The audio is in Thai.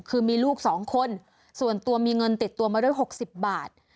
คือมีลูก๒คนส่วนตัวมีเงินติดตัวมาด้วย๖๐บาท